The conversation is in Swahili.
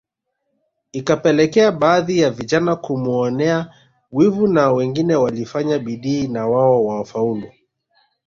Ikapelekea baadhi ya vijana kumuonea wivu na wengine walifanya bidii na wao wafaulu